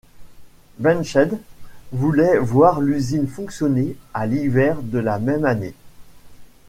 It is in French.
Benscheidt voulait voir l'usine fonctionner à l'hiver de la même année.